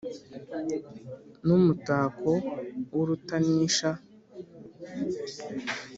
ni umutako w’urutanisha